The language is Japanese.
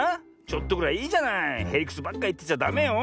ちょっとぐらいいいじゃない？へりくつばっかいってちゃダメよ。